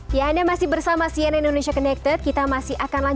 pak alfons ini kalau misalnya kita bicara mengenai aplikasi modifikasi tadi